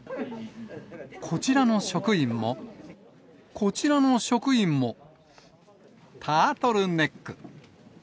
こちらの職員も、こちらの職員も、タートルネック。